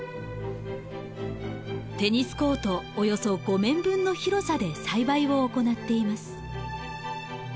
テニスコートおよそ５面分の広さで栽培を行っています。